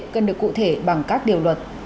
cần được cụ thể bằng các điều luật